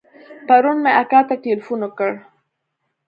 پرون مې اکا ته ټېلفون وکړ.